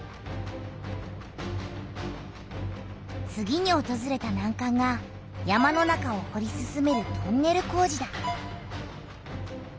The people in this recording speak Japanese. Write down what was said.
次におとずれたなんかんが山の中をほり進めるトンネル工事だ。